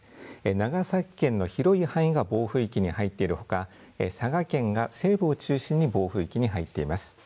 長崎県の広い範囲が暴風域に入っているほか佐賀県が西部を中心に暴風域に入っています。